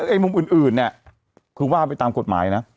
ไอ้มุมอื่นเนี่ยคือว่าไปตามกฎหมายนะ